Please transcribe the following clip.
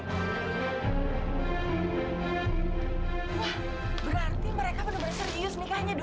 wah berarti mereka bener bener serius nikahnya du